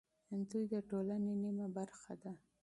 دوی د ټولنې نیمه برخه ده.